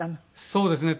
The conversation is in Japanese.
そうですね。